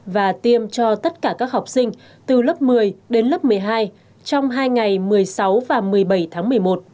và tiêm cho tất cả các học sinh từ lớp một mươi đến lớp một mươi hai trong hai ngày một mươi sáu và một mươi bảy tháng một mươi một